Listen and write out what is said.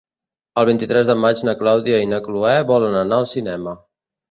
El vint-i-tres de maig na Clàudia i na Cloè volen anar al cinema.